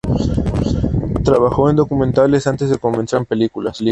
Trabajó en documentales antes de comenzar su carrera en películas.